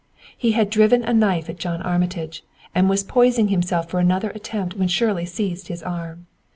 He had driven a knife at John Armitage, and was poising himself for another attempt when Shirley seized his arm.